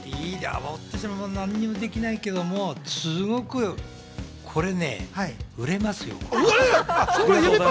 私は何もできないけども、すごくこれね、売れますよ。